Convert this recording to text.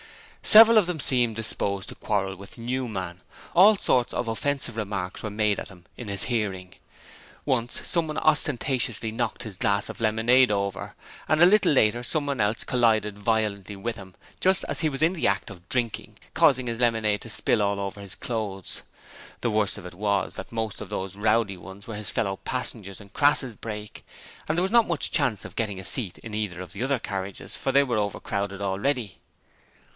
Several of them seemed disposed to quarrel with Newman. All sorts of offensive remarks were made at him in his hearing. Once someone ostentatiously knocked his glass of lemonade over, and a little later someone else collided violently with him just as he was in the act of drinking, causing his lemonade to spill all over his clothes. The worst of it was that most of these rowdy ones were his fellow passengers in Crass's brake, and there was not much chance of getting a seat in either of the other carriages, for they were overcrowded already.